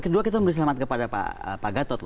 kedua kita harus memberikan selamat kepada pak gatot